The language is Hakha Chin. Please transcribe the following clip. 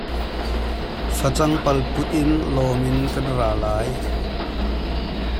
Facang phal put in lawm in kan ra lai.